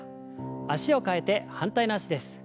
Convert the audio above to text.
脚を替えて反対の脚です。